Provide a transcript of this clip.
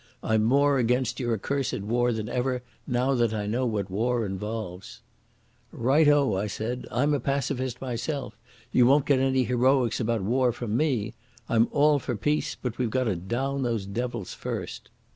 I'm more against your accursed war than ever, now that I know what war involves." "Right o," I said, "I'm a pacifist myself. You won't get any heroics about war from me. I'm all for peace, but we've got to down those devils first."